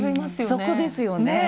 そこですよねぇ。